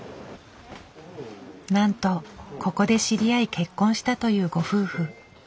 なんとここで知り合い結婚したというご夫婦。